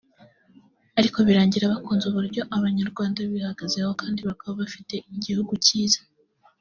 ariko birangira bakunze uburyo Abanyarwanda bihagazeho kandi bakaba bafite igihugu cyiza